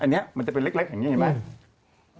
อันนี้มันจะเป็นเล็กอย่างนี้เห็นไหม